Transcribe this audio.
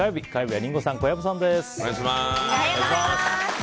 火曜日はリンゴさん、小籔さんです。